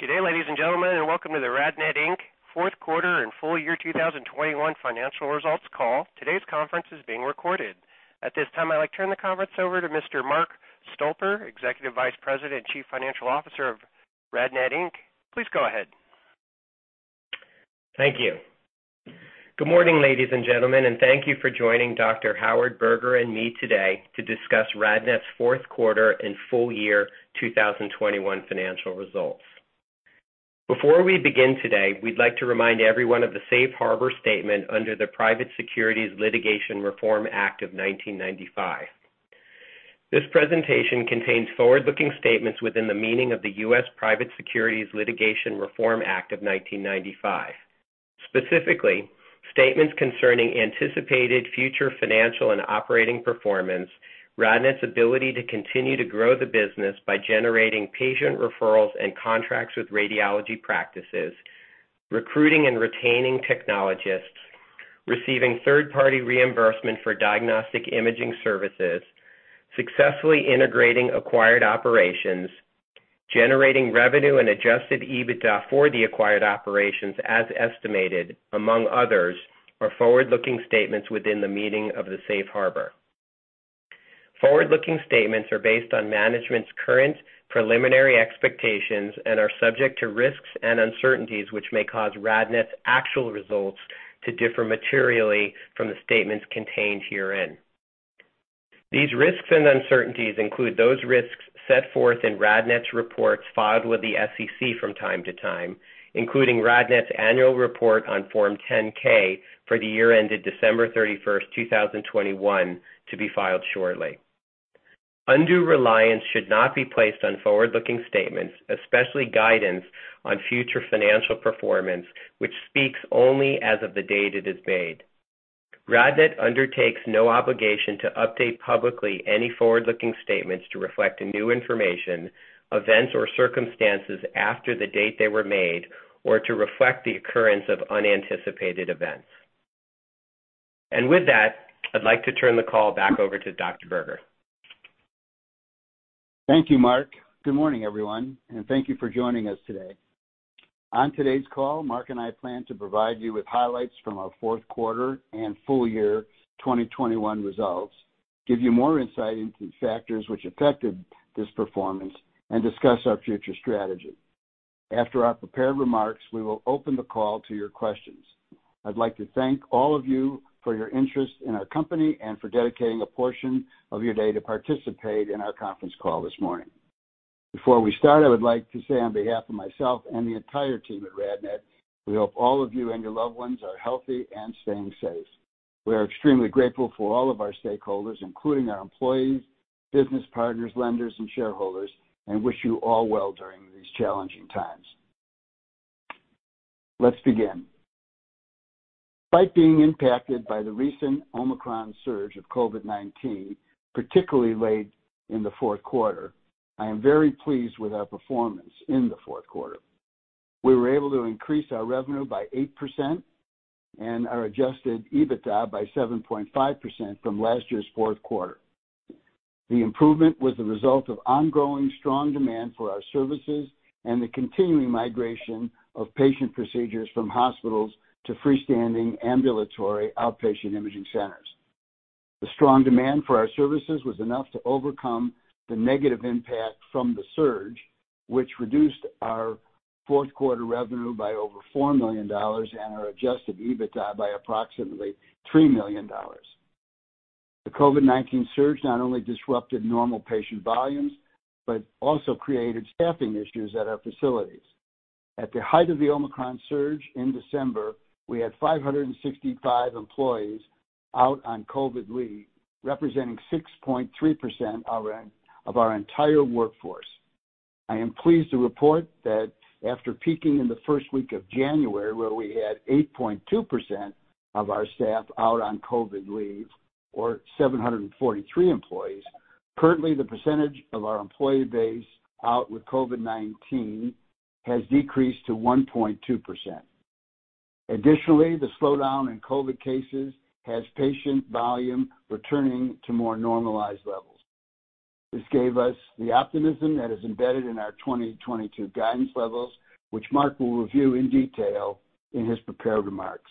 Good day, ladies and gentlemen, and welcome to the RadNet Inc. fourth quarter and full year 2021 financial results call. Today's conference is being recorded. At this time, I'd like to turn the conference over to Mr. Mark Stolper, Executive Vice President and Chief Financial Officer of RadNet Inc. Please go ahead. Thank you. Good morning, ladies and gentlemen, and thank you for joining Dr. Howard Berger and me today to discuss RadNet's fourth quarter and full year 2021 financial results. Before we begin today, we'd like to remind everyone of the safe harbor statement under the Private Securities Litigation Reform Act of 1995. This presentation contains forward-looking statements within the meaning of the U.S. Private Securities Litigation Reform Act of 1995. Specifically, statements concerning anticipated future financial and operating performance, RadNet's ability to continue to grow the business by generating patient referrals and contracts with radiology practices, recruiting and retaining technologists, receiving third-party reimbursement for diagnostic imaging services, successfully integrating acquired operations, generating revenue and adjusted EBITDA for the acquired operations as estimated, among others, are forward-looking statements within the meaning of the safe harbor. Forward-looking statements are based on management's current preliminary expectations and are subject to risks and uncertainties, which may cause RadNet's actual results to differ materially from the statements contained herein. These risks and uncertainties include those risks set forth in RadNet's reports filed with the SEC from time to time, including RadNet's annual report on Form 10-K for the year ended December 31, 2021, to be filed shortly. Undue reliance should not be placed on forward-looking statements, especially guidance on future financial performance, which speaks only as of the date it is made. RadNet undertakes no obligation to update publicly any forward-looking statements to reflect new information, events or circumstances after the date they were made or to reflect the occurrence of unanticipated events. With that, I'd like to turn the call back over to Dr. Howard Berger. Thank you, Mark. Good morning, everyone, and thank you for joining us today. On today's call, Mark and I plan to provide you with highlights from our fourth quarter and full year 2021 results, give you more insight into factors which affected this performance, and discuss our future strategy. After our prepared remarks, we will open the call to your questions. I'd like to thank all of you for your interest in our company and for dedicating a portion of your day to participate in our conference call this morning. Before we start, I would like to say on behalf of myself and the entire team at RadNet, we hope all of you and your loved ones are healthy and staying safe. We are extremely grateful for all of our stakeholders, including our employees, business partners, lenders, and shareholders, and wish you all well during these challenging times. Let's begin. Despite being impacted by the recent Omicron surge of COVID-19, particularly late in the fourth quarter, I am very pleased with our performance in the fourth quarter. We were able to increase our revenue by 8% and our adjusted EBITDA by 7.5% from last year's fourth quarter. The improvement was the result of ongoing strong demand for our services and the continuing migration of patient procedures from hospitals to freestanding ambulatory outpatient imaging centers. The strong demand for our services was enough to overcome the negative impact from the surge, which reduced our fourth quarter revenue by over $4 million and our adjusted EBITDA by approximately $3 million. The COVID-19 surge not only disrupted normal patient volumes, but also created staffing issues at our facilities. At the height of the Omicron surge in December, we had 565 employees out on COVID leave, representing 6.3% of our entire workforce. I am pleased to report that after peaking in the first week of January, where we had 8.2% of our staff out on COVID leave or 743 employees, currently the percentage of our employee base out with COVID-19 has decreased to 1.2%. Additionally, the slowdown in COVID cases has patient volume returning to more normalized levels. This gave us the optimism that is embedded in our 2022 guidance levels, which Mark will review in detail in his prepared remarks.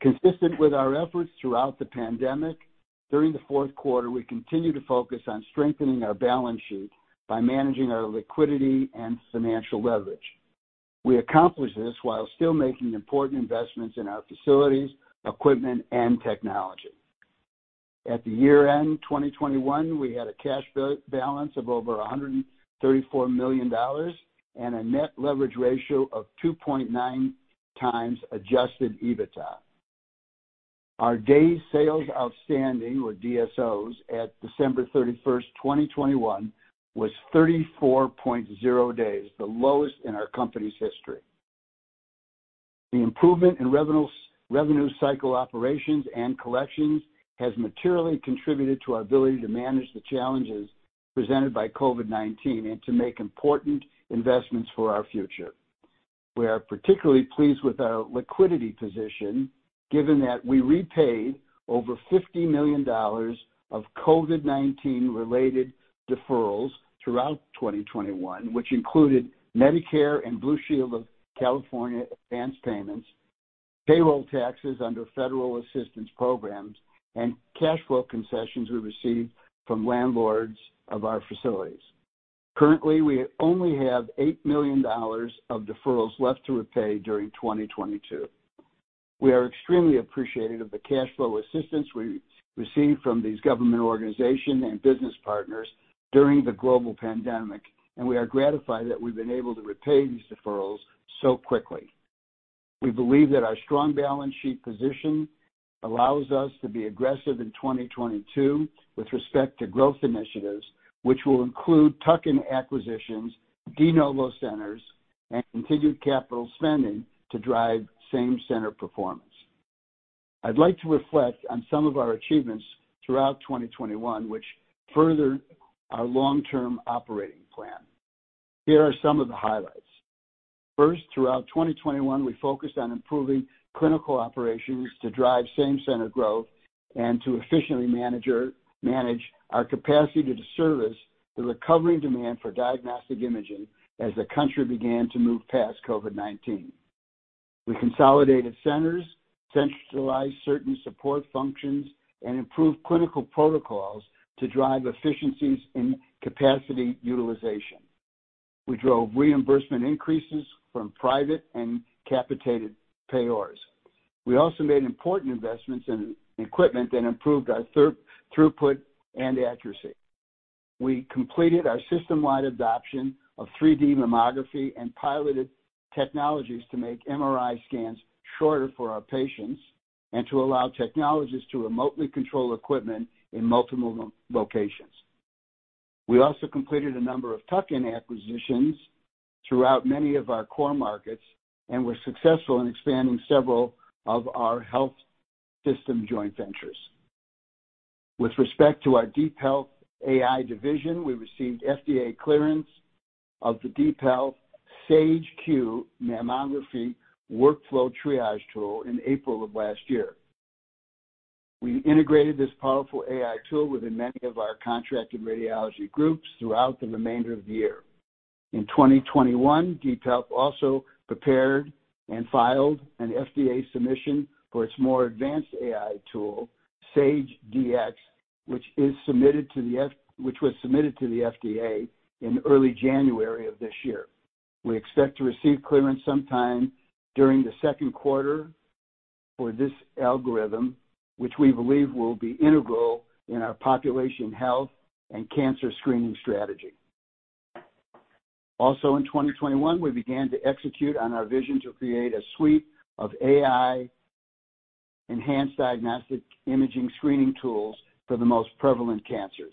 Consistent with our efforts throughout the pandemic, during the fourth quarter, we continued to focus on strengthening our balance sheet by managing our liquidity and financial leverage. We accomplished this while still making important investments in our facilities, equipment, and technology. At the year-end 2021, we had a cash balance of over $134 million and a net leverage ratio of 2.9x adjusted EBITDA. Our days sales outstanding, or DSOs, at December 31, 2021 was 34.0 days, the lowest in our company's history. The improvement in revenue cycle operations and collections has materially contributed to our ability to manage the challenges presented by COVID-19 and to make important investments for our future. We are particularly pleased with our liquidity position, given that we repaid over $50 million of COVID-19 related deferrals throughout 2021, which included Medicare and Blue Shield of California advanced payments, payroll taxes under federal assistance programs, and cash flow concessions we received from landlords of our facilities. Currently, we only have $8 million of deferrals left to repay during 2022. We are extremely appreciative of the cash flow assistance we received from these government organization and business partners during the global pandemic, and we are gratified that we've been able to repay these deferrals so quickly. We believe that our strong balance sheet position allows us to be aggressive in 2022 with respect to growth initiatives, which will include tuck-in acquisitions, de novo centers, and continued capital spending to drive same-center performance. I'd like to reflect on some of our achievements throughout 2021, which further our long-term operating plan. Here are some of the highlights. First, throughout 2021, we focused on improving clinical operations to drive same-center growth and to efficiently manage our capacity to service the recovering demand for diagnostic imaging as the country began to move past COVID-19. We consolidated centers, centralized certain support functions, and improved clinical protocols to drive efficiencies in capacity utilization. We drove reimbursement increases from private and capitated payers. We also made important investments in equipment that improved our throughput and accuracy. We completed our system-wide adoption of 3-D mammography and piloted technologies to make MRI scans shorter for our patients and to allow technologists to remotely control equipment in multiple locations. We also completed a number of tuck-in acquisitions throughout many of our core markets and were successful in expanding several of our health system joint ventures. With respect to our DeepHealth AI division, we received FDA clearance of the DeepHealth Saige-Q mammography workflow triage tool in April of last year. We integrated this powerful AI tool within many of our contracted radiology groups throughout the remainder of the year. In 2021, DeepHealth also prepared and filed an FDA submission for its more advanced AI tool, Saige-Dx, which was submitted to the FDA in early January of this year. We expect to receive clearance sometime during the second quarter for this algorithm, which we believe will be integral in our population health and cancer screening strategy. Also in 2021, we began to execute on our vision to create a suite of AI enhanced diagnostic imaging screening tools for the most prevalent cancers.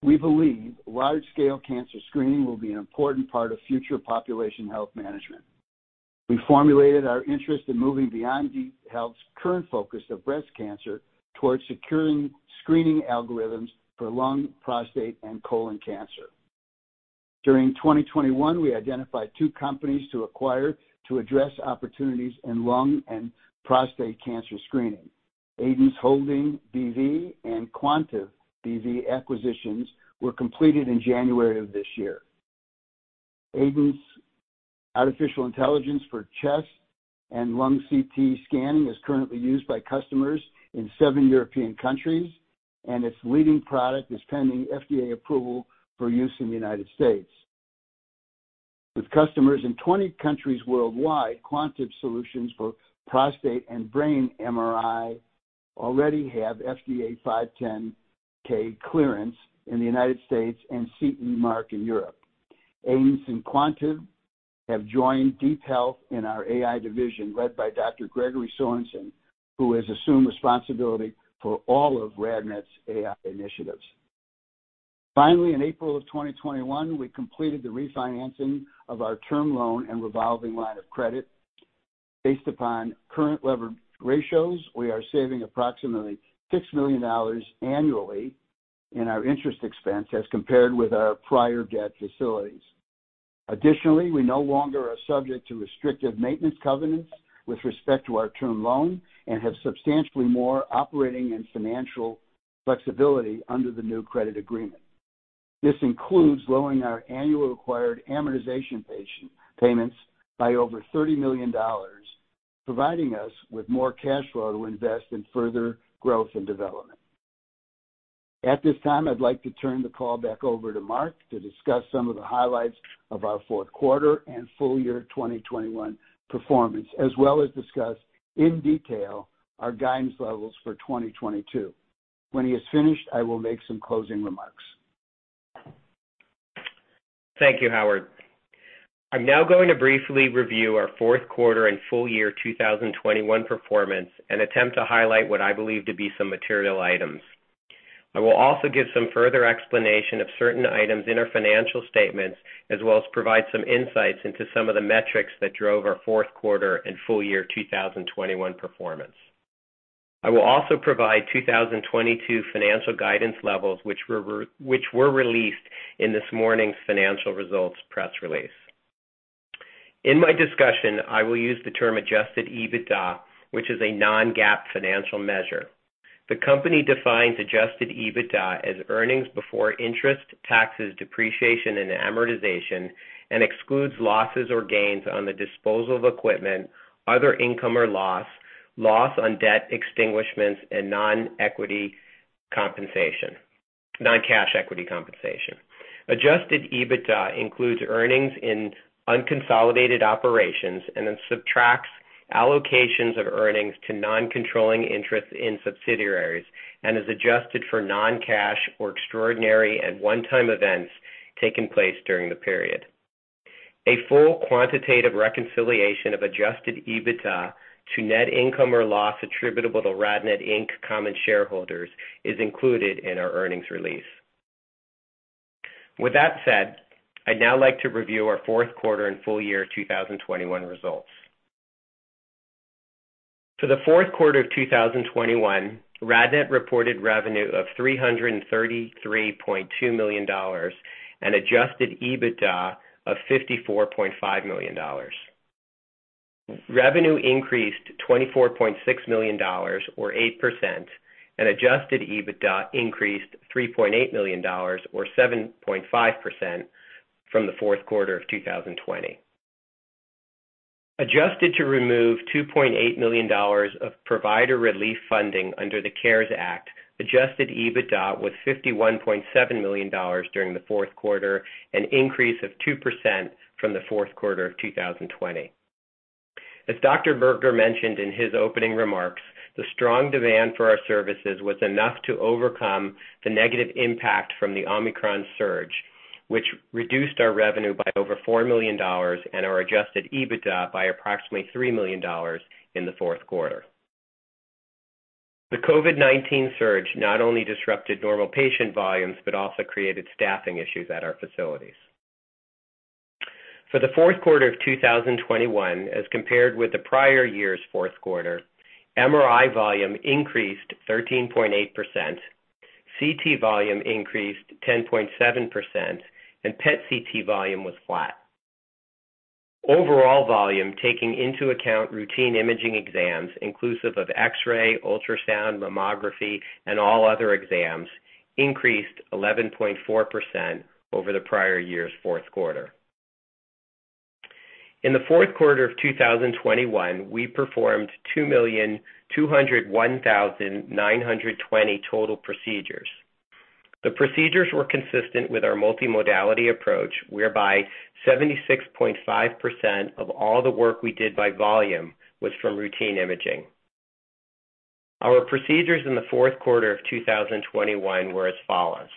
We believe wide-scale cancer screening will be an important part of future population health management. We formulated our interest in moving beyond DeepHealth's current focus of breast cancer towards securing screening algorithms for lung, prostate, and colon cancer. During 2021, we identified two companies to acquire to address opportunities in lung and prostate cancer screening. Aidence Holding B.V. and Quantib B.V. acquisitions were completed in January of this year. Aidence's artificial intelligence for chest and lung CT scanning is currently used by customers in seven European countries, and its leading product is pending FDA approval for use in the United States. With customers in 20 countries worldwide, Quantib solutions for prostate and brain MRI already have FDA 510(k) clearance in the United States and CE mark in Europe. Aidence and Quantib have joined DeepHealth in our AI division, led by Dr. Gregory Sorensen, who has assumed responsibility for all of RadNet's AI initiatives. Finally, in April of 2021, we completed the refinancing of our term loan and revolving line of credit. Based upon current levered ratios, we are saving approximately $6 million annually in our interest expense as compared with our prior debt facilities. Additionally, we no longer are subject to restrictive maintenance covenants with respect to our term loan and have substantially more operating and financial flexibility under the new credit agreement. This includes lowering our annual required amortization payments by over $30 million, providing us with more cash flow to invest in further growth and development. At this time, I'd like to turn the call back over to Mark to discuss some of the highlights of our fourth quarter and full year 2021 performance, as well as discuss in detail our guidance levels for 2022. When he is finished, I will make some closing remarks. Thank you, Howard. I'm now going to briefly review our fourth quarter and full year 2021 performance and attempt to highlight what I believe to be some material items. I will also give some further explanation of certain items in our financial statements, as well as provide some insights into some of the metrics that drove our fourth quarter and full year 2021 performance. I will also provide 2022 financial guidance levels which were released in this morning's financial results press release. In my discussion, I will use the term adjusted EBITDA, which is a non-GAAP financial measure. The company defines adjusted EBITDA as earnings before interest, taxes, depreciation and amortization and excludes losses or gains on the disposal of equipment, other income or loss on debt extinguishments, and non-cash equity compensation. Adjusted EBITDA includes earnings in unconsolidated operations and then subtracts allocations of earnings to non-controlling interests in subsidiaries and is adjusted for non-cash or extraordinary and one-time events taking place during the period. A full quantitative reconciliation of adjusted EBITDA to net income or loss attributable to RadNet, Inc. common shareholders is included in our earnings release. With that said, I'd now like to review our fourth quarter and full year 2021 results. For the fourth quarter of 2021, RadNet reported revenue of $333.2 million and adjusted EBITDA of $54.5 million. Revenue increased $24.6 million or 8%, and adjusted EBITDA increased $3.8 million or 7.5% from the fourth quarter of 2020. Adjusted to remove $2.8 million of provider relief funding under the CARES Act, adjusted EBITDA was $51.7 million during the fourth quarter, an increase of 2% from the fourth quarter of 2020. As Dr. Howard Berger mentioned in his opening remarks, the strong demand for our services was enough to overcome the negative impact from the Omicron surge, which reduced our revenue by over $4 million and our adjusted EBITDA by approximately $3 million in the fourth quarter. The COVID-19 surge not only disrupted normal patient volumes, but also created staffing issues at our facilities. For the fourth quarter of 2021, as compared with the prior year's fourth quarter, MRI volume increased 13.8%, CT volume increased 10.7%, and PET CT volume was flat. Overall volume, taking into account routine imaging exams inclusive of X-ray, ultrasound, mammography, and all other exams, increased 11.4% over the prior year's fourth quarter. In the fourth quarter of 2021, we performed 2,201,920 total procedures. The procedures were consistent with our multimodality approach, whereby 76.5% of all the work we did by volume was from routine imaging. Our procedures in the fourth quarter of 2021 were as follows.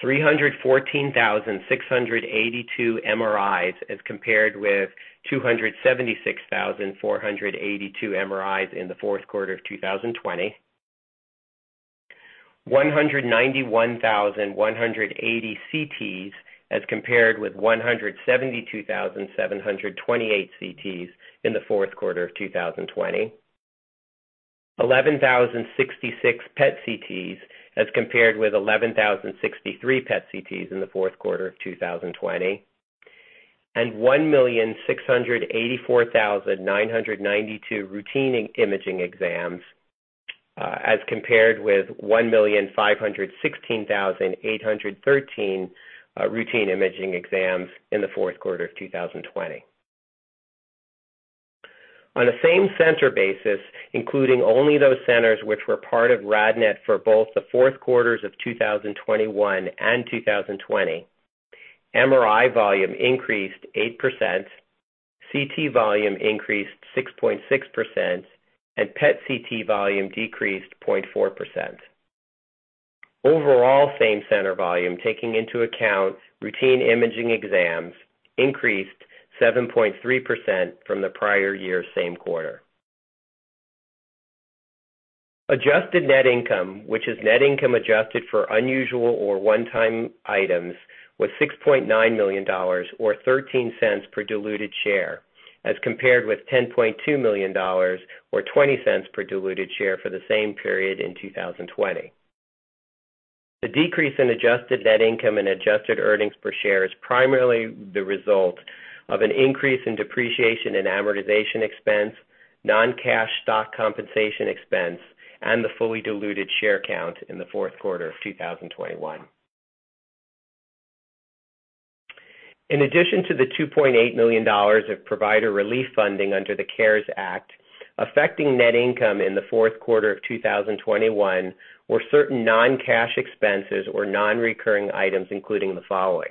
314,682 MRIs as compared with 276,482 MRIs in the fourth quarter of 2020. 191,180 CTs as compared with 172,728 CTs in the fourth quarter of 2020. 11,066 PET CTs as compared with 11,063 PET CTs in the fourth quarter of 2020. 1,684,992 routine imaging exams, as compared with 1,516,813 routine imaging exams in the fourth quarter of 2020. On a same-center basis, including only those centers which were part of RadNet for both the fourth quarters of 2021 and 2020, MRI volume increased 8%, CT volume increased 6.6%, and PET CT volume decreased 0.4%. Overall same-center volume, taking into account routine imaging exams, increased 7.3% from the prior year's same quarter. Adjusted net income, which is net income adjusted for unusual or one-time items, was $6.9 million or $0.13 per diluted share, as compared with $10.2 million or $0.20 per diluted share for the same period in 2020. The decrease in adjusted net income and adjusted earnings per share is primarily the result of an increase in depreciation and amortization expense, non-cash stock compensation expense, and the fully diluted share count in the fourth quarter of 2021. In addition to the $2.8 million of provider relief funding under the CARES Act, affecting net income in the fourth quarter of 2021 were certain non-cash expenses or non-recurring items, including the following,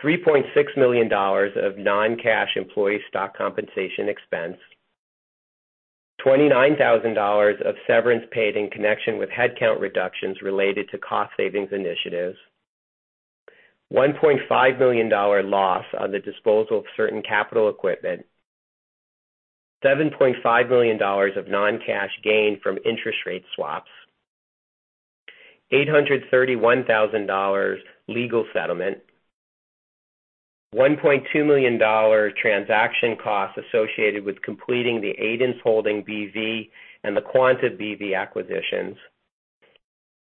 $3.6 million of non-cash employee stock compensation expense, $29,000 of severance paid in connection with headcount reductions related to cost savings initiatives, $1.5 million dollar loss on the disposal of certain capital equipment, $7.5 million of non-cash gain from interest rate swaps, $831,000 legal settlement, $1.2 million dollar transaction costs associated with completing the Aidence Holding B.V. and the Quantib B.V. acquisitions,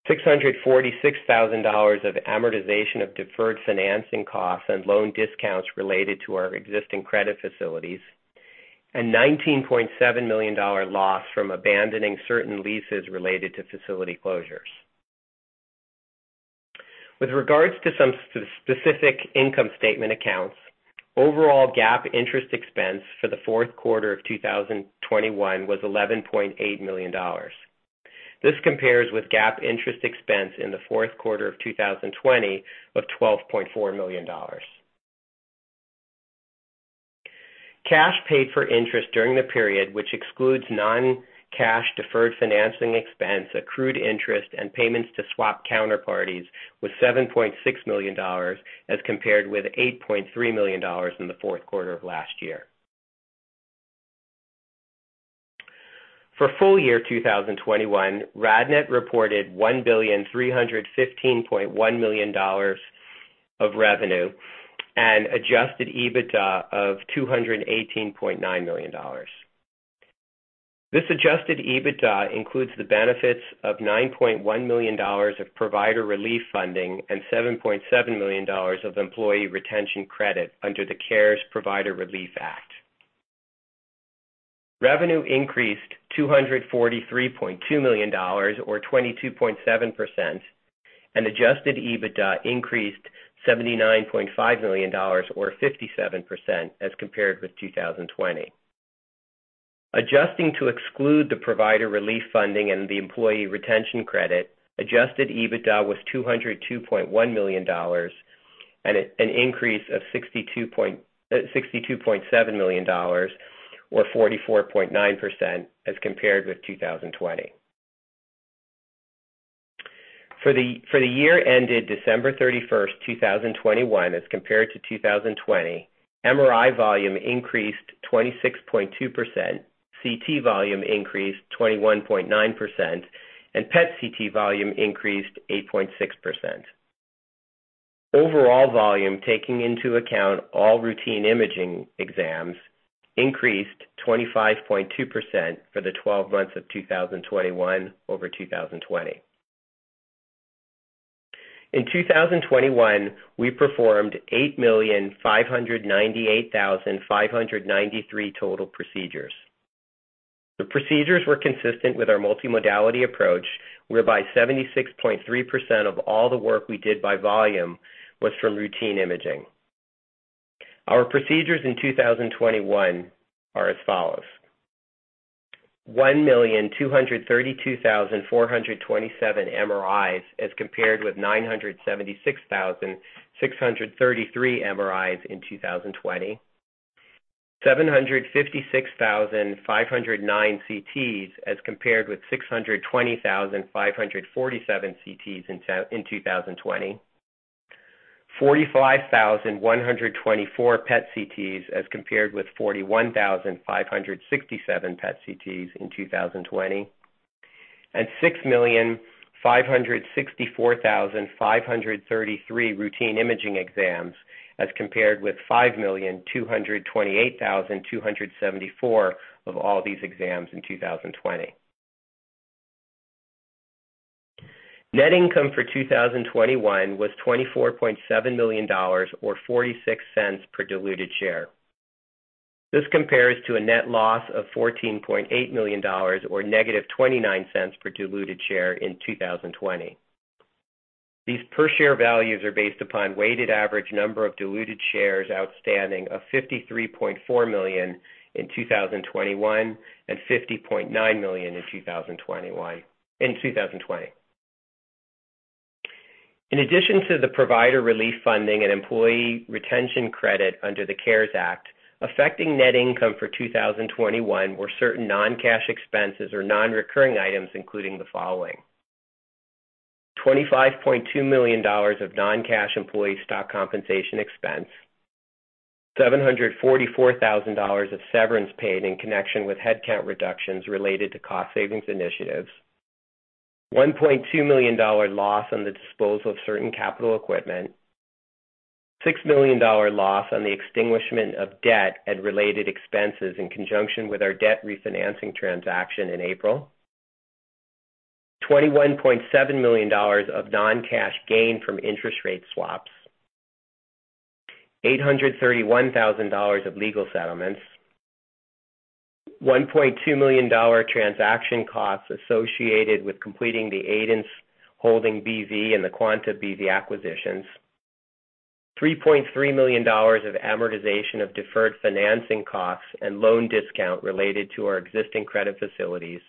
$646,000 of amortization of deferred financing costs and loan discounts related to our existing credit facilities, and $19.7 million dollar loss from abandoning certain leases related to facility closures. With regards to some specific income statement accounts, overall GAAP interest expense for the fourth quarter of 2021 was $11.8 million. This compares with GAAP interest expense in the fourth quarter of 2020 of $12.4 million. Cash paid for interest during the period, which excludes non-cash deferred financing expense, accrued interest, and payments to swap counterparties, was $7.6 million, as compared with $8.3 million in the fourth quarter of last year. For full year 2021, RadNet reported $1,315.1 million of revenue and adjusted EBITDA of $218.9 million. This adjusted EBITDA includes the benefits of $9.1 million of provider relief funding and $7.7 million of employee retention credit under the CARES Act Provider Relief Fund. Revenue increased $243.2 million or 22.7%, and adjusted EBITDA increased $79.5 million or 57% as compared with 2020. Adjusting to exclude the provider relief funding and the employee retention credit, adjusted EBITDA was $202.1 million, an increase of $62.7 million or 44.9% as compared with 2020. For the year ended December 31, 2021, as compared to 2020, MRI volume increased 26.2%, CT volume increased 21.9%, and PET CT volume increased 8.6%. Overall volume, taking into account all routine imaging exams, increased 25.2% for the twelve months of 2021 over 2020. In 2021, we performed 8,598,593 total procedures. The procedures were consistent with our multimodality approach, whereby 76.3% of all the work we did by volume was from routine imaging. Our procedures in 2021 are as follows. 1,232,427 MRIs as compared with 976,633 MRIs in 2020. 756,509 CTs as compared with 620,547 CTs in 2020. 45,124 PET CTs as compared with 41,567 PET CTs in 2020. 6,564,533 routine imaging exams as compared with 5,228,274 of all these exams in 2020. Net income for 2021 was $24.7 million or 46 cents per diluted share. This compares to a net loss of $14.8 million or negative 29 cents per diluted share in 2020. These per share values are based upon weighted average number of diluted shares outstanding of 53.4 million in 2021 and 50.9 million in 2020. In addition to the provider relief funding and employee retention credit under the CARES Act, affecting net income for 2021 were certain non-cash expenses or non-recurring items, including the following, $25.2 million of non-cash employee stock compensation expense. $744,000 of severance paid in connection with headcount reductions related to cost savings initiatives. $1.2 million loss on the disposal of certain capital equipment. $6 million loss on the extinguishment of debt and related expenses in conjunction with our debt refinancing transaction in April. $21.7 million of non-cash gain from interest rate swaps. $831,000 of legal settlements. $1.2 million transaction costs associated with completing the Aidence Holding B.V. and the Quantib B.V. acquisitions. $3.3 million of amortization of deferred financing costs and loan discount related to our existing credit facilities.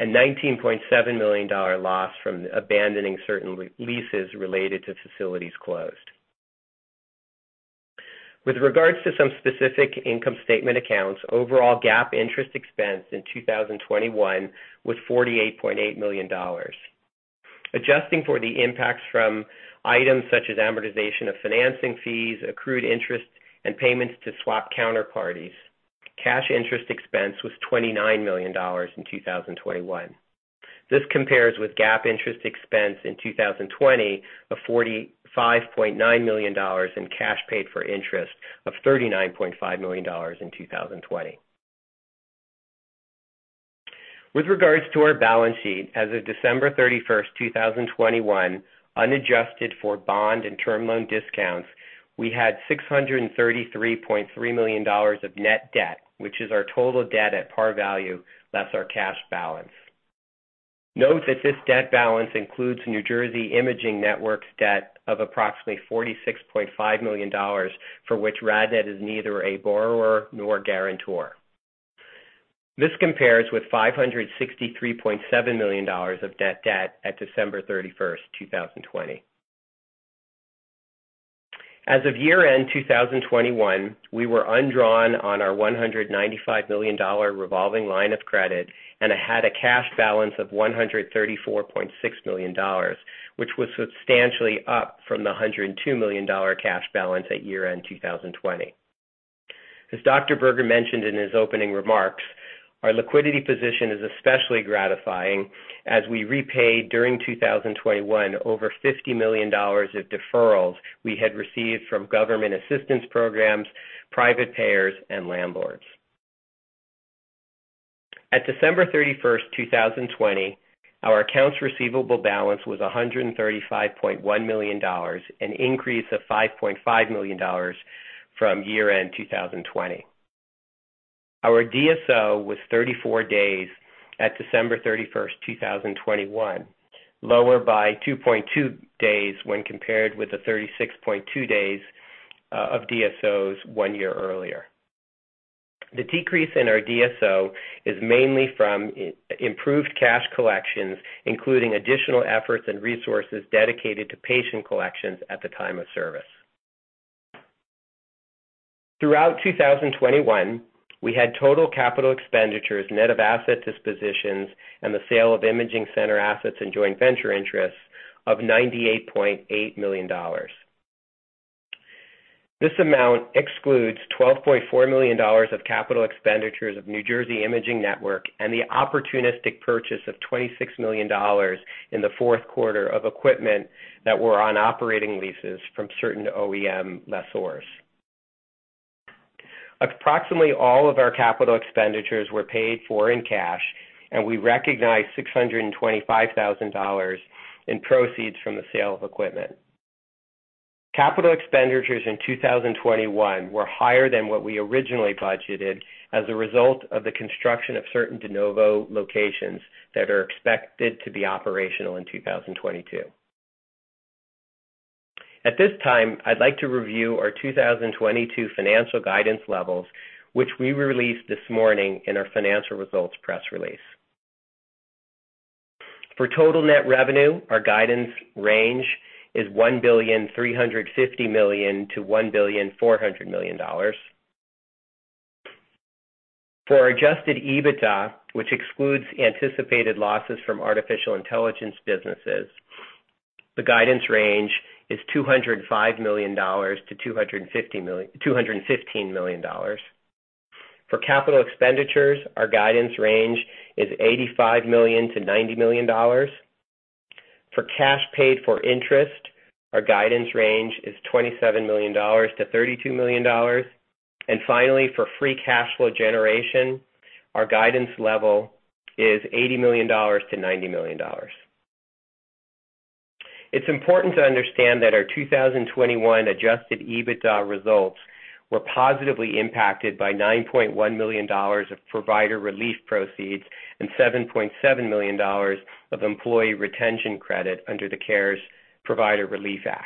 $19.7 million loss from abandoning certain leases related to facilities closed. With regards to some specific income statement accounts, overall GAAP interest expense in 2021 was $48.8 million. Adjusting for the impacts from items such as amortization of financing fees, accrued interest, and payments to swap counterparties. Cash interest expense was $29 million in 2021. This compares with GAAP interest expense in 2020 of $45.9 million in cash paid for interest of $39.5 million in 2020. With regards to our balance sheet, as of December 31, 2021, unadjusted for bond and term loan discounts, we had $633.3 million of net debt, which is our total debt at par value, less our cash balance. Note that this debt balance includes New Jersey Imaging Network's debt of approximately $46.5 million for which RadNet is neither a borrower nor guarantor. This compares with $563.7 million of net debt at December 31, 2020. As of year-end 2021, we were undrawn on our $195 million revolving line of credit and had a cash balance of $134.6 million, which was substantially up from the $102 million cash balance at year-end 2020. As Dr. Howard Berger mentioned in his opening remarks, our liquidity position is especially gratifying as we repaid during 2021 over $50 million of deferrals we had received from government assistance programs, private payers, and landlords. At December 31, 2020, our accounts receivable balance was $135.1 million, an increase of $5.5 million from year-end 2020. Our DSO was 34 days at December 31, 2021, lower by 2.2 days when compared with the 36.2 days of DSOs one year earlier. The decrease in our DSO is mainly from improved cash collections, including additional efforts and resources dedicated to patient collections at the time of service. Throughout 2021, we had total capital expenditures net of asset dispositions and the sale of imaging center assets and joint venture interests of $98.8 million. This amount excludes $12.4 million of capital expenditures of New Jersey Imaging Network and the opportunistic purchase of $26 million in the fourth quarter of equipment that were on operating leases from certain OEM lessors. Approximately all of our capital expenditures were paid for in cash, and we recognized $625,000 in proceeds from the sale of equipment. Capital expenditures in 2021 were higher than what we originally budgeted as a result of the construction of certain de novo locations that are expected to be operational in 2022. At this time, I'd like to review our 2022 financial guidance levels, which we released this morning in our financial results press release. For total net revenue, our guidance range is $1.35 billion-$1.4 billion. For adjusted EBITDA, which excludes anticipated losses from artificial intelligence businesses, the guidance range is $205 million-$215 million. For capital expenditures, our guidance range is $85 million-$90 million. For cash paid for interest, our guidance range is $27 million-$32 million. Finally, for free cash flow generation, our guidance level is $80 million-$90 million. It's important to understand that our 2021 adjusted EBITDA results were positively impacted by $9.1 million of provider relief proceeds and $7.7 million of employee retention credit under the CARES Act Provider Relief Fund.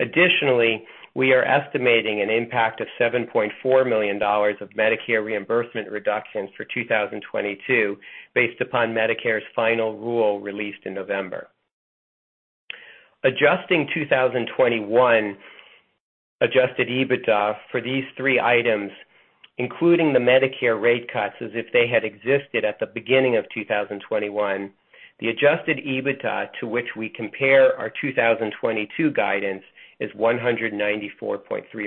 Additionally, we are estimating an impact of $7.4 million of Medicare reimbursement reductions for 2022 based upon Medicare's final rule released in November. Adjusting 2021 adjusted EBITDA for these three items, including the Medicare rate cuts as if they had existed at the beginning of 2021, the adjusted EBITDA to which we compare our 2022 guidance is $194.3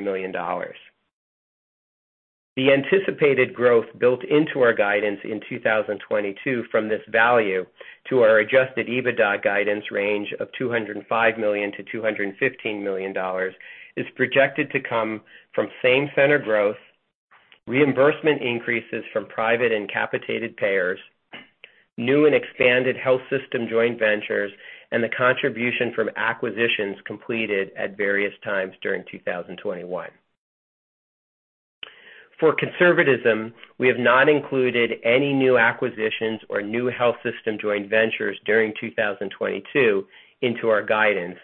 million. The anticipated growth built into our guidance in 2022 from this value to our adjusted EBITDA guidance range of $205 million-$215 million is projected to come from same center growth, reimbursement increases from private and capitated payers, new and expanded health system joint ventures, and the contribution from acquisitions completed at various times during 2021. For conservatism, we have not included any new acquisitions or new health system joint ventures during 2022 into our guidance,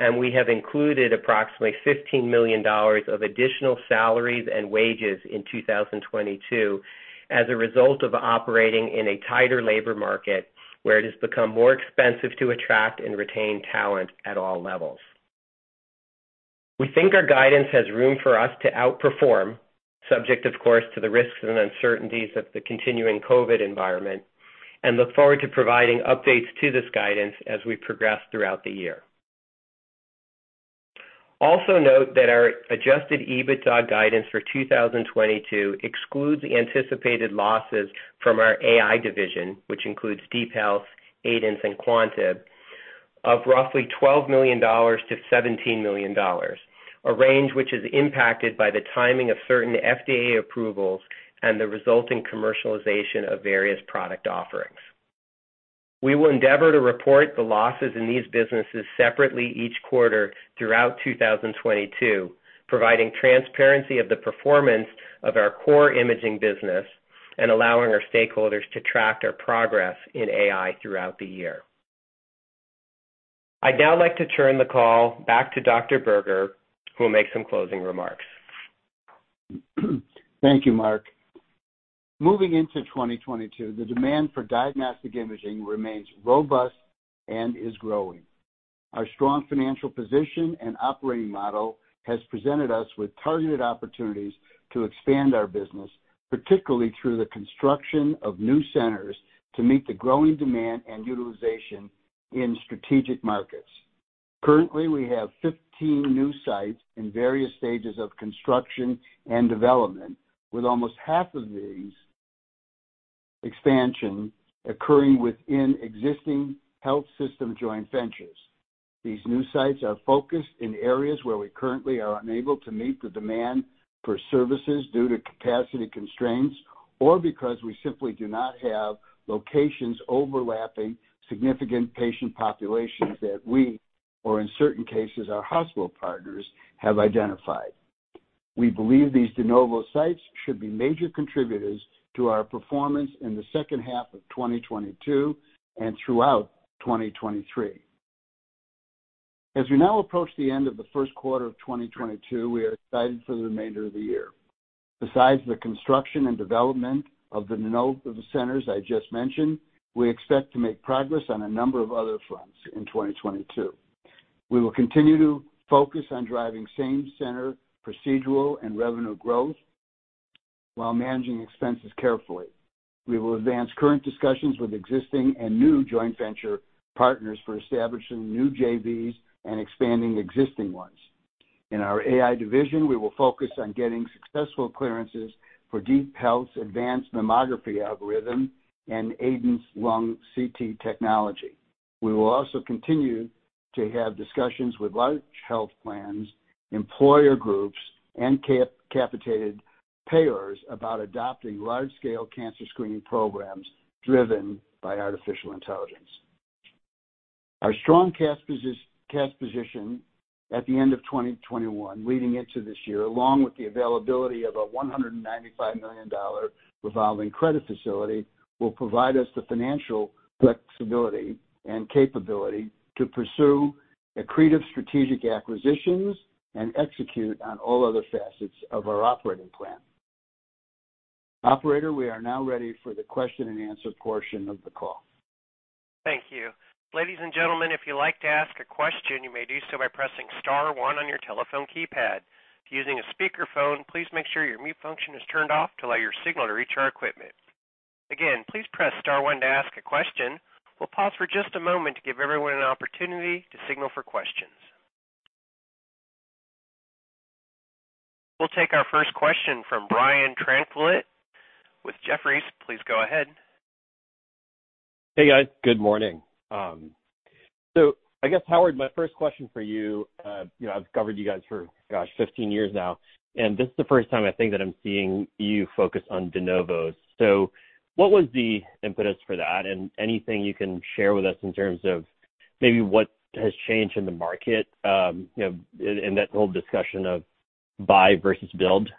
and we have included approximately $15 million of additional salaries and wages in 2022 as a result of operating in a tighter labor market where it has become more expensive to attract and retain talent at all levels. We think our guidance has room for us to outperform, subject of course to the risks and uncertainties of the continuing COVID environment, and look forward to providing updates to this guidance as we progress throughout the year. Also note that our adjusted EBITDA guidance for 2022 excludes anticipated losses from our AI division, which includes DeepHealth, Aidence, and Quantib, of roughly $12 million-$17 million, a range which is impacted by the timing of certain FDA approvals and the resulting commercialization of various product offerings. We will endeavor to report the losses in these businesses separately each quarter throughout 2022, providing transparency of the performance of our core imaging business and allowing our stakeholders to track our progress in AI throughout the year. I'd now like to turn the call back to Dr. Howard Berger, who will make some closing remarks. Thank you, Mark. Moving into 2022, the demand for diagnostic imaging remains robust and is growing. Our strong financial position and operating model has presented us with targeted opportunities to expand our business, particularly through the construction of new centers to meet the growing demand and utilization in strategic markets. Currently, we have 15 new sites in various stages of construction and development, with almost half of these expansion occurring within existing health system joint ventures. These new sites are focused in areas where we currently are unable to meet the demand for services due to capacity constraints, or because we simply do not have locations overlapping significant patient populations that we, or in certain cases, our hospital partners have identified. We believe these de novo sites should be major contributors to our performance in the second half of 2022 and throughout 2023. As we now approach the end of the first quarter of 2022, we are excited for the remainder of the year. Besides the construction and development of the de novo centers I just mentioned, we expect to make progress on a number of other fronts in 2022. We will continue to focus on driving same center procedural and revenue growth while managing expenses carefully. We will advance current discussions with existing and new joint venture partners for establishing new JVs and expanding existing ones. In our AI division, we will focus on getting successful clearances for DeepHealth's advanced mammography algorithm and Aidence's lung CT technology. We will also continue to have discussions with large health plans, employer groups, and capitated payers about adopting large-scale cancer screening programs driven by artificial intelligence. Our strong cash position at the end of 2021 leading into this year, along with the availability of a $195 million revolving credit facility, will provide us the financial flexibility and capability to pursue accretive strategic acquisitions and execute on all other facets of our operating plan. Operator, we are now ready for the question and answer portion of the call. Thank you. Ladies and gentlemen, if you'd like to ask a question, you may do so by pressing star one on your telephone keypad. If using a speakerphone, please make sure your mute function is turned off to allow your signal to reach our equipment. Again, please press star one to ask a question. We'll pause for just a moment to give everyone an opportunity to signal for questions. We'll take our first question from Brian Tanquilut with Jefferies. Please go ahead. Hey, guys. Good morning. I guess, Howard, my first question for you know, I've covered you guys for, gosh, 15 years now, and this is the first time I think that I'm seeing you focus on de novos. What was the impetus for that? Anything you can share with us in terms of maybe what has changed in the market, you know, in that whole discussion of buy versus build?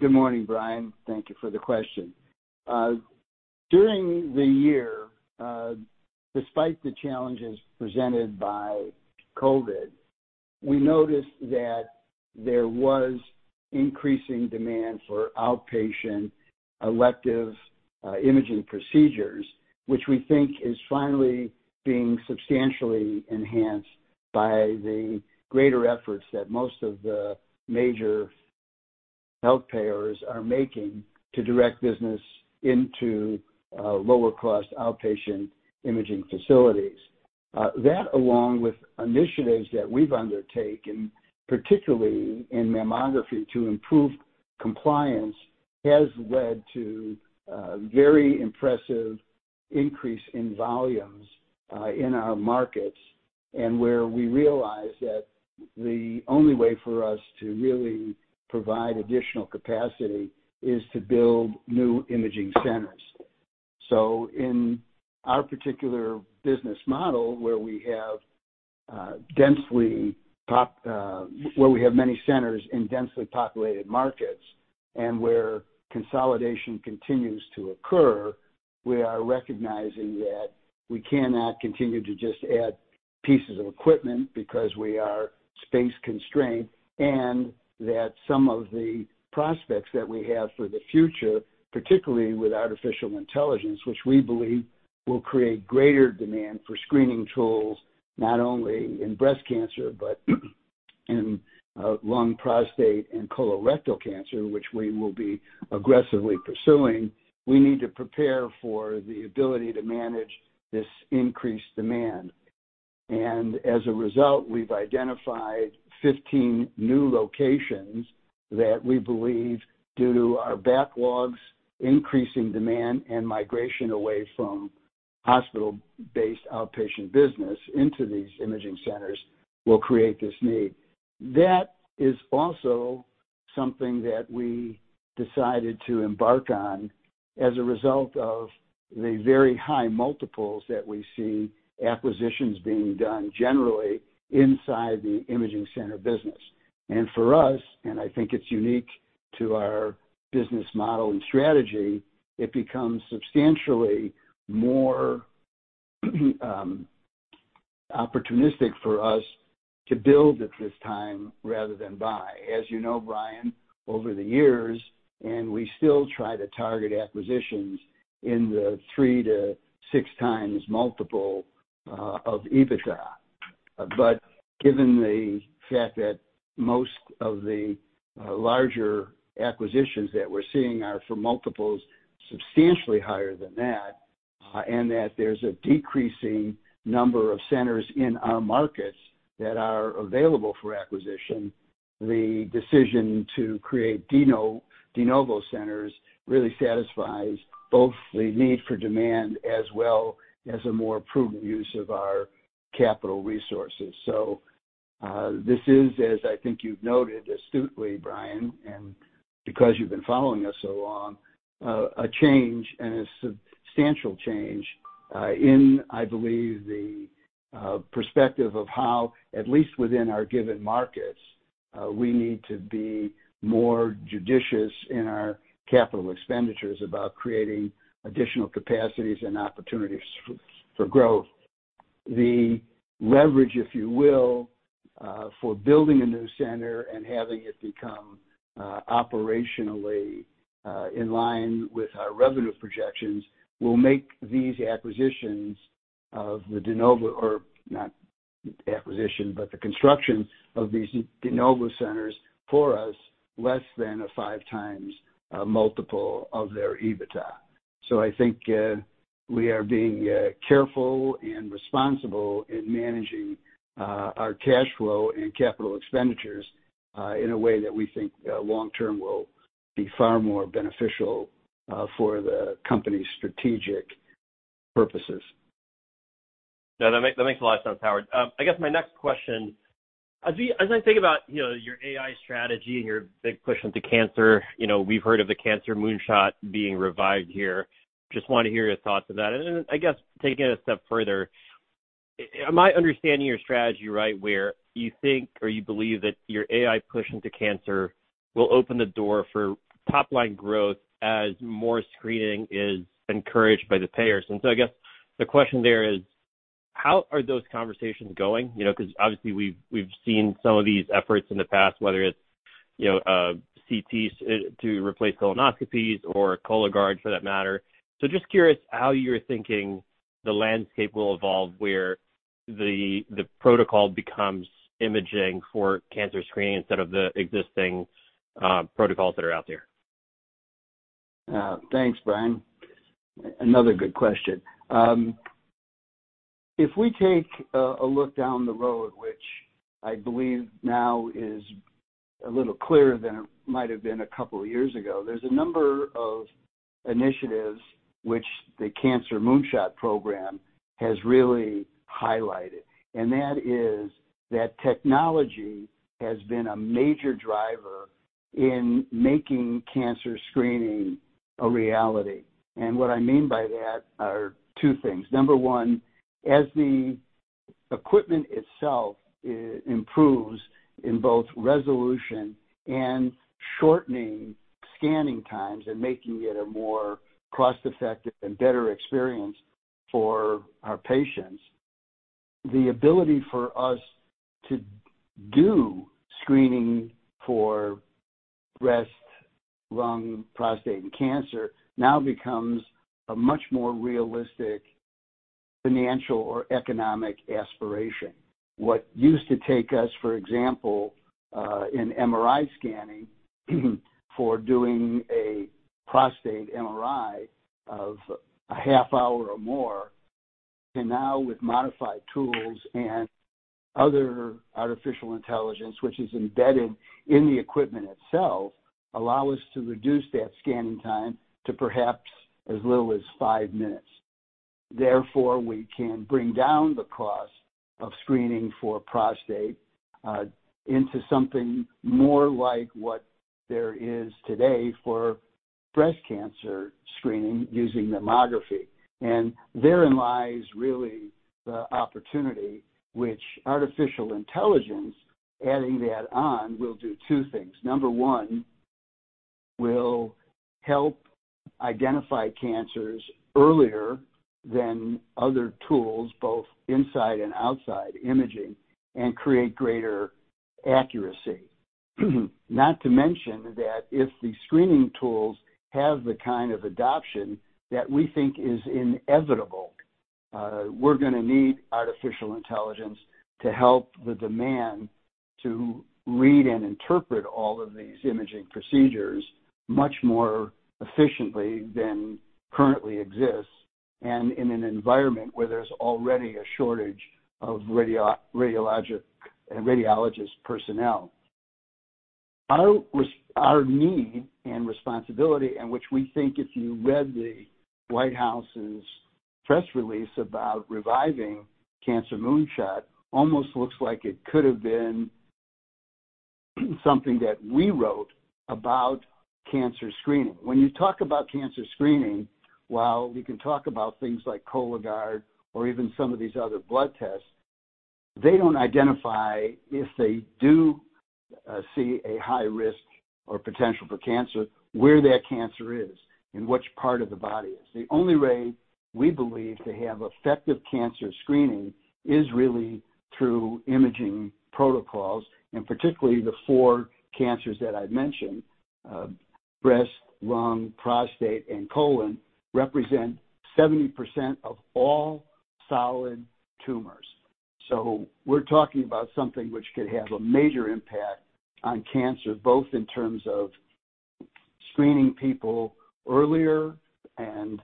Good morning, Brian. Thank you for the question. During the year, despite the challenges presented by COVID, we noticed that there was increasing demand for outpatient elective imaging procedures, which we think is finally being substantially enhanced by the greater efforts that most of the major health payers are making to direct business into lower cost outpatient imaging facilities. That along with initiatives that we've undertaken, particularly in mammography to improve compliance, has led to a very impressive increase in volumes in our markets, and where we realize that the only way for us to really provide additional capacity is to build new imaging centers. In our particular business model, where we have many centers in densely populated markets and where consolidation continues to occur, we are recognizing that we cannot continue to just add pieces of equipment because we are space constrained, and that some of the prospects that we have for the future, particularly with artificial intelligence, which we believe will create greater demand for screening tools, not only in breast cancer, but lung, prostate and colorectal cancer, which we will be aggressively pursuing, we need to prepare for the ability to manage this increased demand. As a result, we've identified 15 new locations that we believe, due to our backlogs, increasing demand, and migration away from hospital-based outpatient business into these imaging centers, will create this need. That is also something that we decided to embark on as a result of the very high multiples that we see acquisitions being done generally inside the imaging center business. For us, and I think it's unique to our business model and strategy, it becomes substantially more opportunistic for us to build at this time rather than buy. As you know, Brian, over the years, and we still try to target acquisitions in the 3-6 times multiple of EBITDA. Given the fact that most of the larger acquisitions that we're seeing are for multiples substantially higher than that, and that there's a decreasing number of centers in our markets that are available for acquisition, the decision to create de novo centers really satisfies both the need for demand as well as a more prudent use of our capital resources. This is, as I think you've noted astutely, Brian, and because you've been following us so long, a change and a substantial change in I believe the perspective of how, at least within our given markets, we need to be more judicious in our capital expenditures about creating additional capacities and opportunities for growth. The leverage, if you will, for building a new center and having it become operationally in line with our revenue projections, will make these acquisitions of the de novo or not acquisition, but the construction of these de novo centers for us, less than a 5x multiple of their EBITDA. I think we are being careful and responsible in managing our cash flow and capital expenditures in a way that we think long term will be far more beneficial for the company's strategic purposes. No, that makes a lot of sense, Howard. I guess my next question, as I think about, you know, your AI strategy and your big push into cancer, you know, we've heard of the Cancer Moonshot being revived here. Just want to hear your thoughts on that. I guess taking it a step further, am I understanding your strategy right, where you think or you believe that your AI push into cancer will open the door for top line growth as more screening is encouraged by the payers? I guess the question there is. How are those conversations going? You know, because obviously we've seen some of these efforts in the past, whether it's, you know, CT to replace colonoscopies or Cologuard for that matter. Just curious how you're thinking the landscape will evolve where the protocol becomes imaging for cancer screening instead of the existing protocols that are out there? Thanks, Brian. Another good question. If we take a look down the road, which I believe now is a little clearer than it might have been a couple of years ago, there's a number of initiatives which the Cancer Moonshot program has really highlighted, and that is that technology has been a major driver in making cancer screening a reality. What I mean by that are two things. Number one, as the equipment itself improves in both resolution and shortening scanning times and making it a more cost-effective and better experience for our patients, the ability for us to do screening for breast, lung, prostate cancer now becomes a much more realistic financial or economic aspiration. What used to take us, for example, in MRI scanning for doing a prostate MRI of a half hour or more, can now with modified tools and other artificial intelligence which is embedded in the equipment itself, allow us to reduce that scanning time to perhaps as little as five minutes. Therefore, we can bring down the cost of screening for prostate into something more like what there is today for breast cancer screening using mammography. Therein lies really the opportunity which artificial intelligence, adding that on, will do two things. Number one, will help identify cancers earlier than other tools, both inside and outside imaging, and create greater accuracy. Not to mention that if the screening tools have the kind of adoption that we think is inevitable. We're going to need artificial intelligence to help meet the demand to read and interpret all of these imaging procedures much more efficiently than currently exists, and in an environment where there's already a shortage of radiologist personnel. Our need and responsibility, which we think if you read the White House's press release about reviving Cancer Moonshot, almost looks like it could have been something that we wrote about cancer screening. When you talk about cancer screening, while we can talk about things like Cologuard or even some of these other blood tests, they don't identify, if they do, see a high risk or potential for cancer, where that cancer is, in which part of the body. The only way, we believe, to have effective cancer screening is really through imaging protocols, and particularly the four cancers that I've mentioned, breast, lung, prostate, and colon represent 70% of all solid tumors. We're talking about something which could have a major impact on cancer, both in terms of screening people earlier and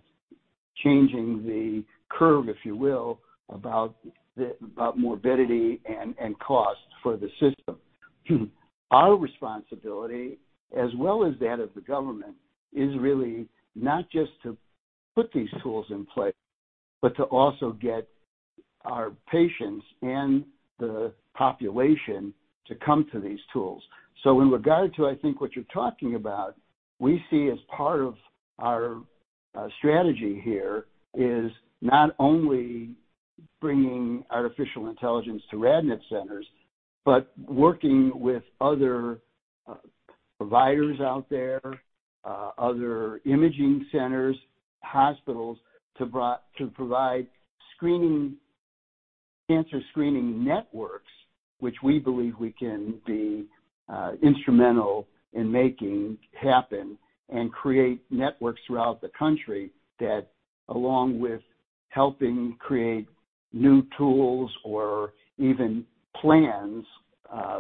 changing the curve, if you will, about morbidity and cost for the system. Our responsibility, as well as that of the government, is really not just to put these tools in place, but to also get our patients and the population to come to these tools. In regard to, I think, what you're talking about, we see as part of our strategy here is not only bringing artificial intelligence to RadNet centers, but working with other providers out there, other imaging centers, hospitals to provide screening, cancer screening networks, which we believe we can be instrumental in making happen and create networks throughout the country that, along with helping create new tools or even plans,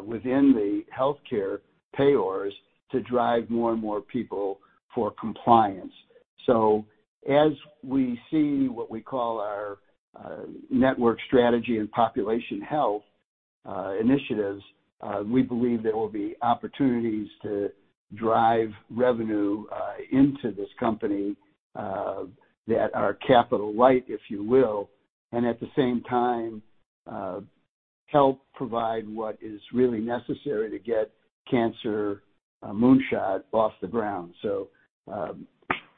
within the healthcare payors to drive more and more people for compliance. As we see what we call our network strategy and population health initiatives, we believe there will be opportunities to drive revenue into this company that are capital light, if you will, and at the same time, help provide what is really necessary to get Cancer Moonshot off the ground.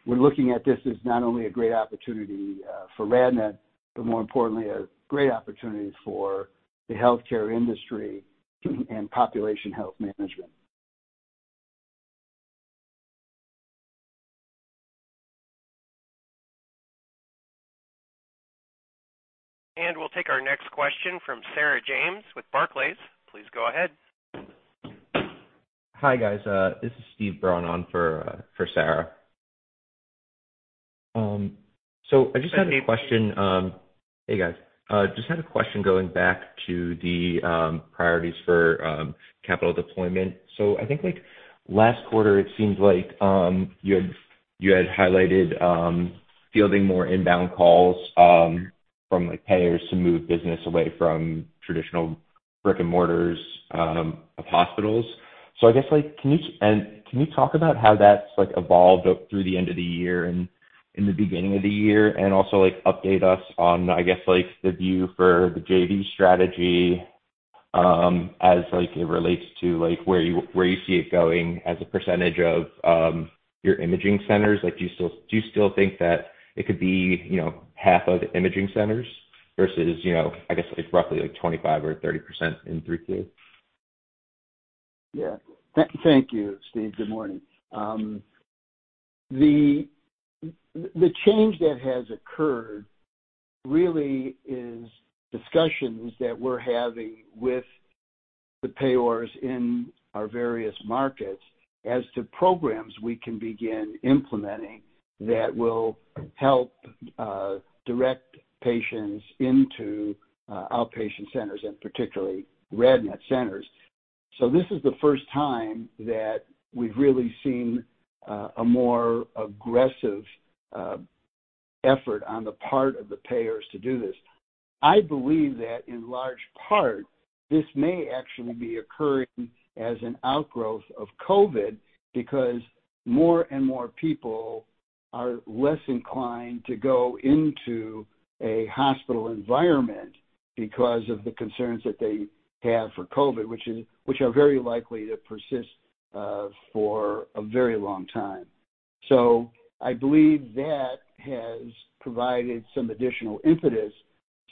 We're looking at this as not only a great opportunity for RadNet, but more importantly, a great opportunity for the healthcare industry and population health management. We'll take our next question from Sarah James with Barclays. Please go ahead. Hi, guys. This is Steve Braun on for Sarah. I just had a question- Hi, Steve. Hey, guys. Just had a question going back to the priorities for capital deployment. I think, like, last quarter, it seemed like you had highlighted fielding more inbound calls from, like, payers to move business away from traditional brick-and-mortars of hospitals. I guess, like, can you talk about how that's evolved through the end of the year and in the beginning of the year? Also, like, update us on, I guess, like, the view for the JV strategy as, like, it relates to where you see it going as a percentage of your imaging centers. Like, do you still think that it could be, you know, half of the imaging centers versus, you know, I guess, like roughly like 25 or 30% in three-eight? Yeah. Thank you, Steve. Good morning. The change that has occurred really is discussions that we're having with the payors in our various markets as to programs we can begin implementing that will help direct patients into outpatient centers and particularly RadNet centers. This is the first time that we've really seen a more aggressive effort on the part of the payors to do this. I believe that in large part, this may actually be occurring as an outgrowth of COVID because more and more people are less inclined to go into a hospital environment because of the concerns that they have for COVID, which are very likely to persist for a very long time. I believe that has provided some additional impetus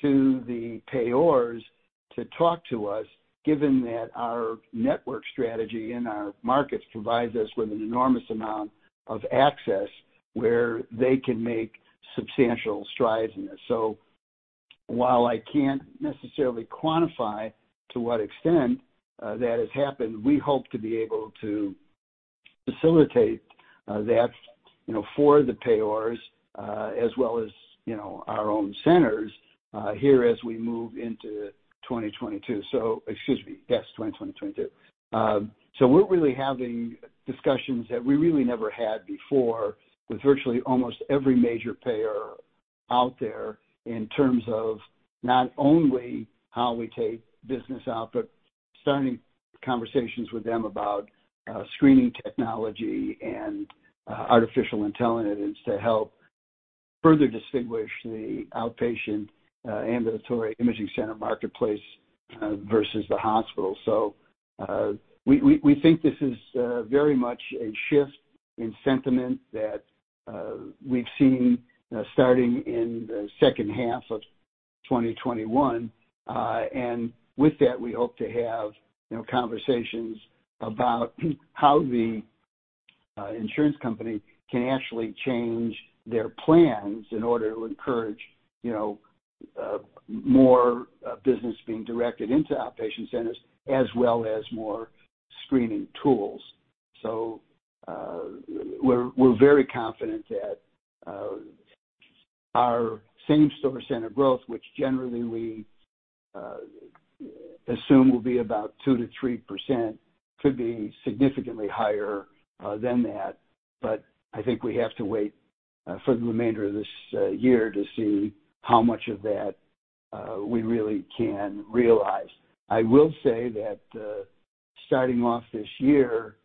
to the payers to talk to us given that our network strategy in our markets provides us with an enormous amount of access where they can make substantial strides in this. While I can't necessarily quantify to what extent that has happened, we hope to be able to facilitate that, you know, for the payers, as well as, you know, our own centers here as we move into 2022. Excuse me. Yes, 2022. We're really having discussions that we really never had before with virtually almost every major payer out there in terms of not only how we take business out, but starting conversations with them about screening technology and artificial intelligence to help further distinguish the outpatient ambulatory imaging center marketplace versus the hospital. We think this is very much a shift in sentiment that we've seen starting in the second half of 2021. With that, we hope to have you know conversations about how the insurance company can actually change their plans in order to encourage you know more business being directed into outpatient centers as well as more screening tools. We're very confident that our same-store center growth, which generally we assume will be about 2%-3%, could be significantly higher than that. I think we have to wait for the remainder of this year to see how much of that we really can realize. I will say that, starting off this year,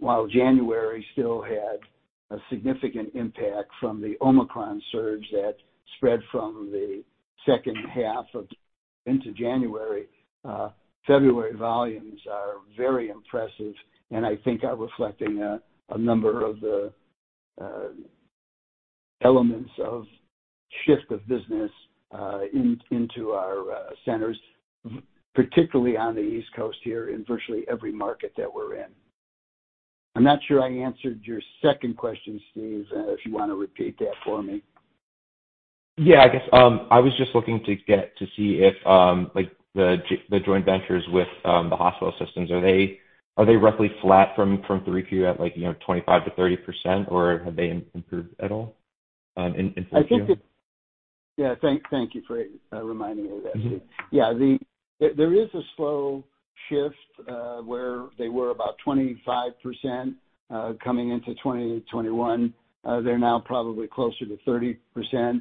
while January still had a significant impact from the Omicron surge that spread from the second half of into January, February volumes are very impressive, and I think are reflecting a number of the elements of shift of business into our centers, particularly on the East Coast here in virtually every market that we're in. I'm not sure I answered your second question, Steve, if you want to repeat that for me. Yeah, I guess I was just looking to get to see if, like, the joint ventures with the hospital systems are they roughly flat from 3Q at like, you know, 25%-30%, or have they improved at all in 3Q? Thank you for reminding me of that, Steve. Mm-hmm. There is a slow shift where they were about 25% coming into 2021. They're now probably closer to 30%.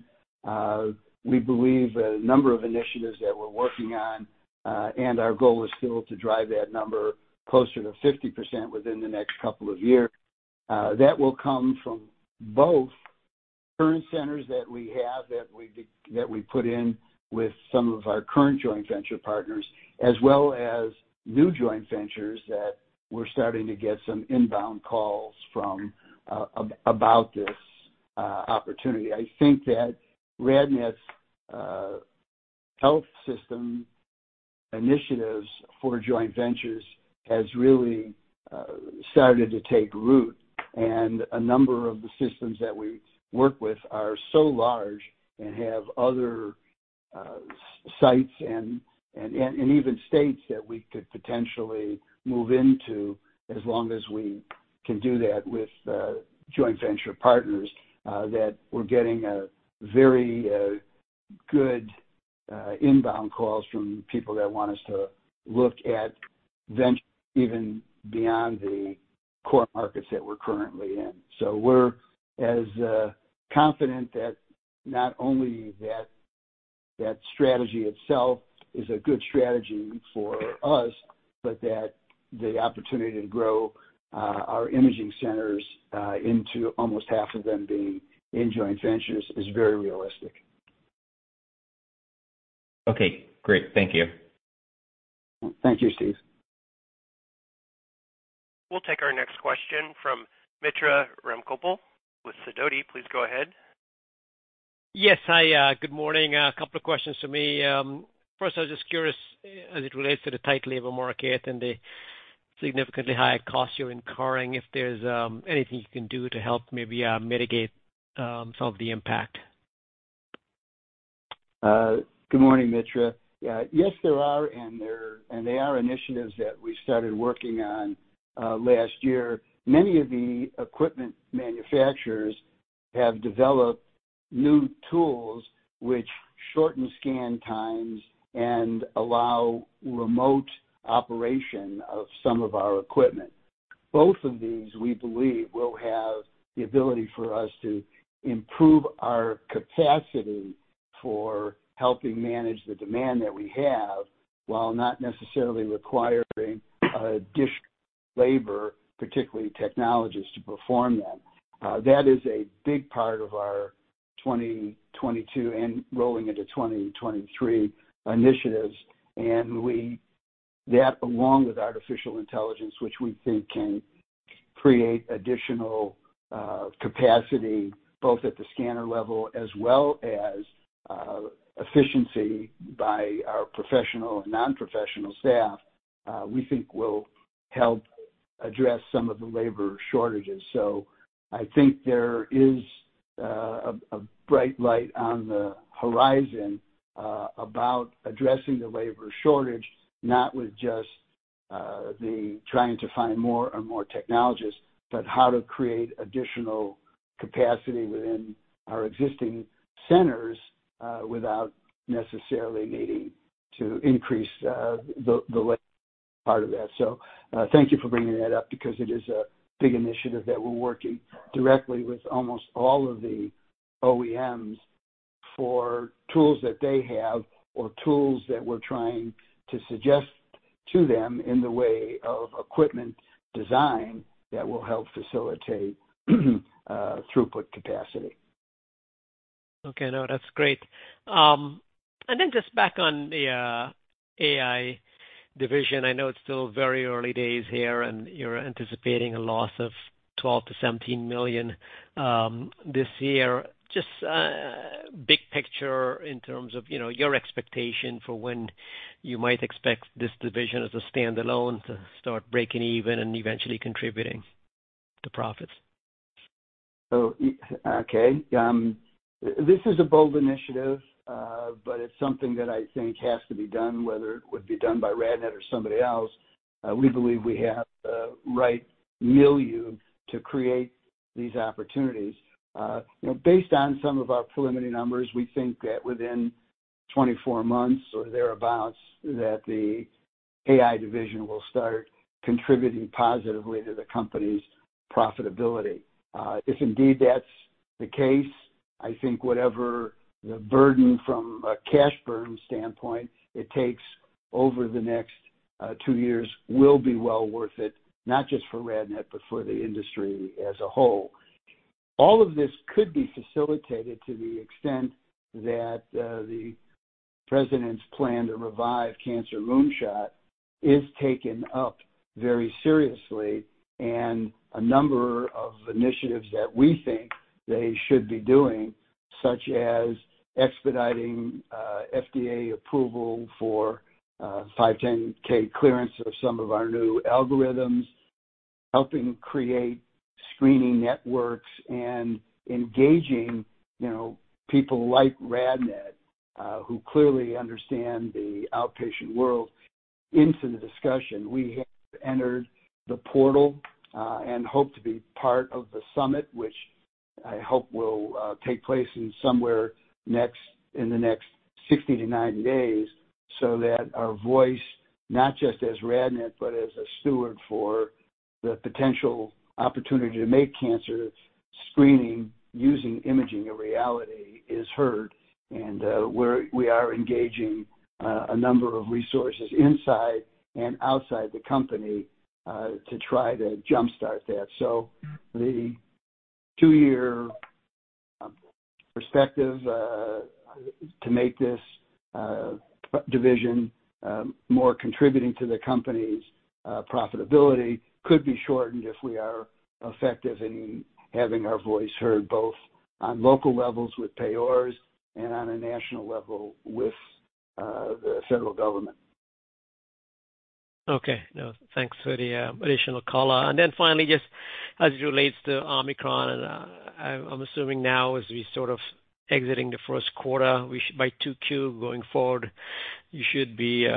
We believe a number of initiatives that we're working on, and our goal is still to drive that number closer to 50% within the next couple of years. That will come from both current centers that we have that we put in with some of our current joint venture partners, as well as new joint ventures that we're starting to get some inbound calls from about this opportunity. I think that RadNet's health system initiatives for joint ventures has really started to take root. A number of the systems that we work with are so large and have other sites and even states that we could potentially move into as long as we can do that with the joint venture partners, that we're getting a very good inbound calls from people that want us to look at venture even beyond the core markets that we're currently in. We're as confident that not only that strategy itself is a good strategy for us, but that the opportunity to grow our imaging centers into almost half of them being in joint ventures is very realistic. Okay, great. Thank you. Thank you, Steve. We'll take our next question from Mitra Ramgopal with Sidoti. Please go ahead. Yes. Hi, good morning. A couple of questions for me. First, I was just curious, as it relates to the tight labor market and the significantly higher costs you're incurring, if there's anything you can do to help maybe mitigate some of the impact? Good morning, Mitra Ramgopal. Yes, there are initiatives that we started working on last year. Many of the equipment manufacturers have developed new tools which shorten scan times and allow remote operation of some of our equipment. Both of these, we believe, will have the ability for us to improve our capacity for helping manage the demand that we have, while not necessarily requiring additional labor, particularly technologists, to perform them. That is a big part of our 2022 and rolling into 2023 initiatives. That, along with artificial intelligence, which we think can create additional capacity both at the scanner level as well as efficiency by our professional and non-professional staff, we think will help address some of the labor shortages. I think there is a bright light on the horizon about addressing the labor shortage, not with just the trying to find more and more technologists, but how to create additional capacity within our existing centers without necessarily needing to increase the labor part of that. Thank you for bringing that up because it is a big initiative that we're working directly with almost all of the OEMs for tools that they have or tools that we're trying to suggest to them in the way of equipment design that will help facilitate throughput capacity. Okay. No, that's great. Just back on the AI division. I know it's still very early days here, and you're anticipating a loss of 12 million-17 million this year. Just big picture in terms of, you know, your expectation for when you might expect this division as a standalone to start breaking even and eventually contributing to profits. This is a bold initiative, but it's something that I think has to be done, whether it would be done by RadNet or somebody else. We believe we have the right milieu to create these opportunities. You know, based on some of our preliminary numbers, we think that within 24 months or thereabouts, that the AI division will start contributing positively to the company's profitability. If indeed that's the case, I think whatever the burden from a cash burn standpoint it takes over the next two years will be well worth it, not just for RadNet, but for the industry as a whole. All of this could be facilitated to the extent that the president's plan to revive Cancer Moonshot is taken up very seriously. A number of initiatives that we think they should be doing, such as expediting FDA approval for 510(k) clearance of some of our new algorithms, helping create screening networks, and engaging, you know, people like RadNet who clearly understand the outpatient world into the discussion. We have entered the portal and hope to be part of the summit, which I hope will take place in the next 60-90 days, so that our voice, not just as RadNet, but as a steward for the potential opportunity to make cancer screening using imaging a reality, is heard. We are engaging a number of resources inside and outside the company to try to jump-start that. The two-year perspective to make this division more contributing to the company's profitability could be shortened if we are effective in having our voice heard, both on local levels with payers and on a national level with the federal government. Okay. No, thanks for the additional color. Finally, just as it relates to Omicron, I'm assuming now as we're sort of exiting the first quarter, we should be by 2Q going forward, you should be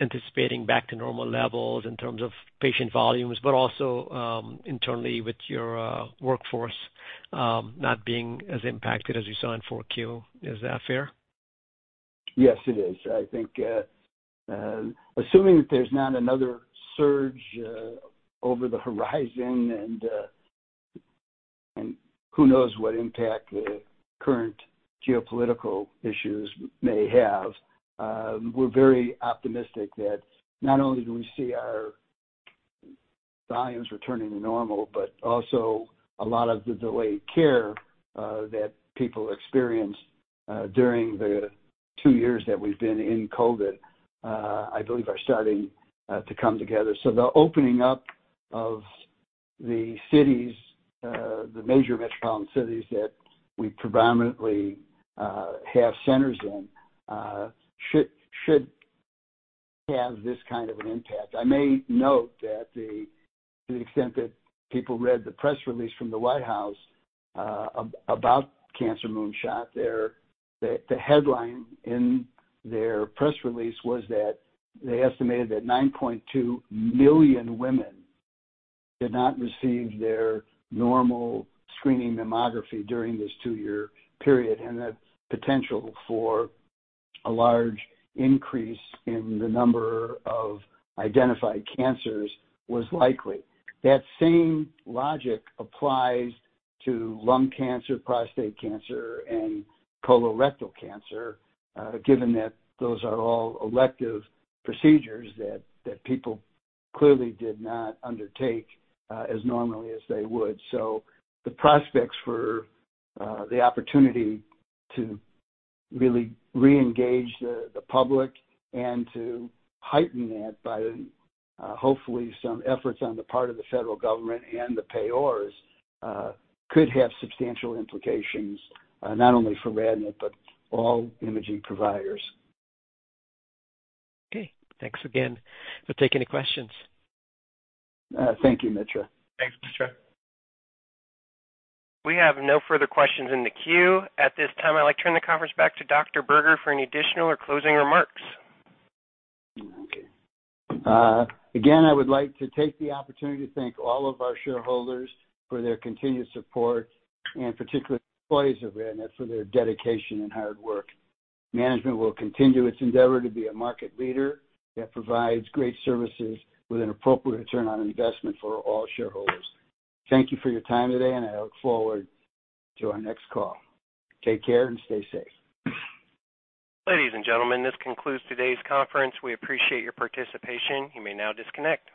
anticipating back to normal levels in terms of patient volumes, but also internally with your workforce not being as impacted as you saw in 4Q. Is that fair? Yes, it is. I think, assuming that there's not another surge over the horizon and who knows what impact the current geopolitical issues may have, we're very optimistic that not only do we see our volumes returning to normal, but also a lot of the delayed care that people experienced during the two years that we've been in COVID I believe are starting to come together. The opening up of the cities, the major metropolitan cities that we predominantly have centers in, should have this kind of an impact. I may note that to the extent that people read the press release from the White House about Cancer Moonshot, their... The headline in their press release was that they estimated that 9.2 million women did not receive their normal screening mammography during this two-year period, and the potential for a large increase in the number of identified cancers was likely. That same logic applies to lung cancer, prostate cancer, and colorectal cancer, given that those are all elective procedures that people clearly did not undertake as normally as they would. The prospects for the opportunity to really reengage the public and to heighten that by hopefully some efforts on the part of the federal government and the payers could have substantial implications not only for RadNet but all imaging providers. Okay. Thanks again for taking the questions. Thank you, Mitra Ramgopal. Thanks, Mitra Ramgopal. We have no further questions in the queue. At this time, I'd like to turn the conference back to Dr. Howard Berger for any additional or closing remarks. Okay. Again, I would like to take the opportunity to thank all of our shareholders for their continued support and particularly the employees of RadNet for their dedication and hard work. Management will continue its endeavor to be a market leader that provides great services with an appropriate return on investment for all shareholders. Thank you for your time today, and I look forward to our next call. Take care and stay safe. Ladies and gentlemen, this concludes today's conference. We appreciate your participation. You may now disconnect.